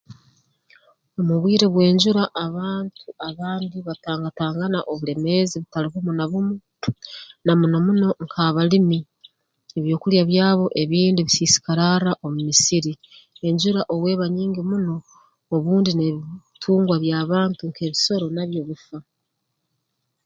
Omu bwire bw'enjura abantu abandi batangatangana obulemeezi obutali bumu na bumu na muno muno nk'abalimi ebyokulya byabo ebindi bisiisikararra omu misiri enjura obu eba nyingi muno obundi n'ebitungwa by'abantu nk'ebisoro nabyo bifa